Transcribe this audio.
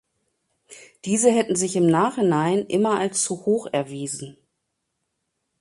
Diese hätten sich im Nachhinein immer als zu hoch erwiesen.